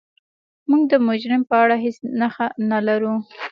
موږ د مجرم په اړه هیڅ نښه نلرو.